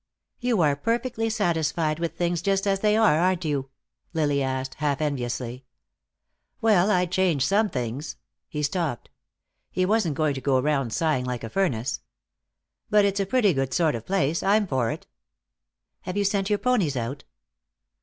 "You are perfectly satisfied with things just as they are, aren't you?" Lily asked, half enviously. "Well, I'd change some things." He stopped. He wasn't going to go round sighing like a furnace. "But it's a pretty good sort of place. I'm for it." "Have you sent your ponies out?"